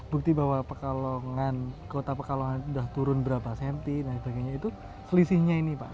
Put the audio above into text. bukti bahwa pekalongan kota pekalongan sudah turun berapa cm dan sebagainya itu selisihnya ini pak